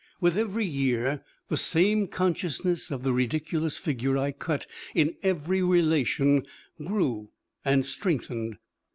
With every year the same consciousness of the ridiculous figure I cut in every relation grew and strengthened.